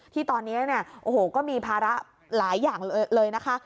ที่ตอนนี้ก็มีภาระหลายอย่างเลยนะคะ